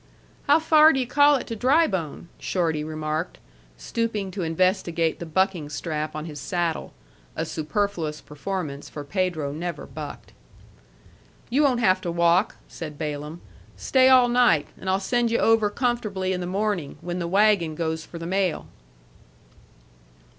"How far do yu' call it to Drybone?" Shorty remarked, stooping to investigate the bucking strap on his saddle a superfluous performance, for Pedro never bucked. "You won't have to walk," said Balaam. "Stay all night, and I'll send you over comfortably in the morning, when the wagon goes for the mail."